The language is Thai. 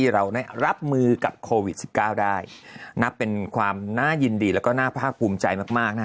ไวรับมือกับโควิด๑๙ได้นะเป็นความน่ายินดีแล้วก็น่าภาคภูมิใจมาก